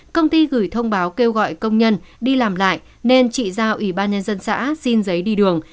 công ty gửi thông báo kêu gọi công nhân đi làm lại nên chị giao ủy ban nhân dân xã xin giấy đi đường